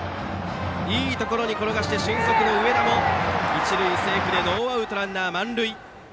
いいところに転がして俊足の上田も一塁セーフでノーアウトランナー、満塁。